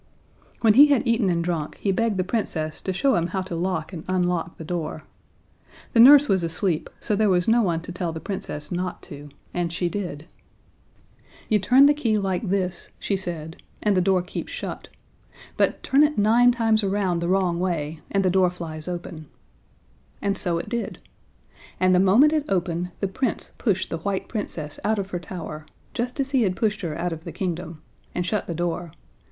When he had eaten and drunk, he begged the Princess to show him how to lock and unlock the door. The nurse was asleep, so there was no one to tell the Princess not to, and she did. [Illustration: "The junior secretary cried out, 'Look at the bottle!'" See page 129.] "You turn the key like this," she said, "and the door keeps shut. But turn it nine times around the wrong way, and the door flies open." And so it did. And the moment it opened, the Prince pushed the white Princess out of her tower, just as he had pushed her out of her kingdom, and shut the door.